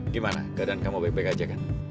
gimana keadaan kamu baik baik aja kan